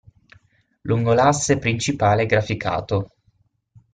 Lungo l'asse principale graficato.